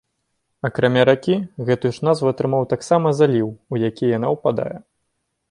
Акрамя ракі, гэтую ж назву атрымаў таксама заліў, у які яна ўпадае.